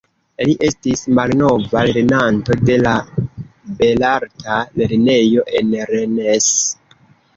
Li estis malnova lernanto de la belarta lernejo en Rennes.